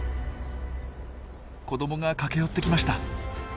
子どもが駆け寄ってきました。